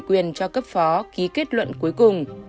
quyền cho cấp phó ký kết luận cuối cùng